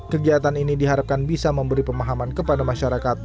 kegiatan ini diharapkan bisa memberi pemahaman kepada masyarakat